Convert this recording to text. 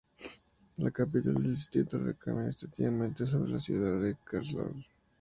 La capital del distrito recae administrativamente sobre la ciudad de Karlstadt.